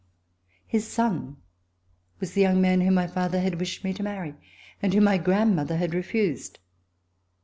His son was the young man whom my father had wished me to marry and whom my grandmother had refused.